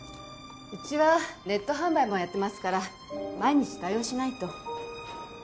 うちはネット販売もやってますから毎日対応しないと。